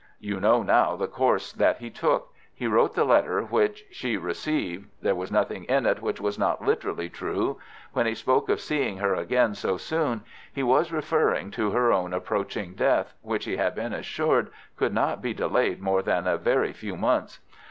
"You know now the course that he took. He wrote the letter which she received. There was nothing in it which was not literally true. When he spoke of seeing her again so soon, he was referring to her own approaching death, which he had been assured could not be delayed more than a very few months.